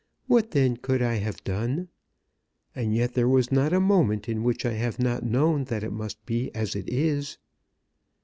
What then could I have done? And yet there was not a moment in which I have not known that it must be as it is."